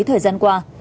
thời gian qua